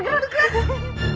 nggak mahu nyerah nyerah